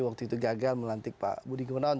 waktu itu gagal melantik pak budi gunawan